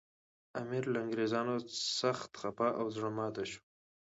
امیر له انګریزانو سخت خپه او زړه ماتي شو.